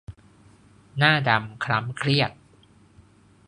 หน้าดำคล้ำเครียด